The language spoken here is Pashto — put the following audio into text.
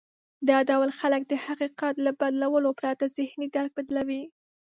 دا ډول خلک د حقيقت له بدلولو پرته ذهني درک بدلوي.